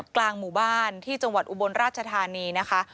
กลางหมู่บ้านที่จังหวัดอุบลราชธานีนะคะ